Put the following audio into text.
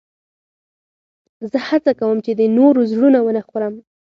زه هڅه کوم، چي د نورو زړونه و نه خورم.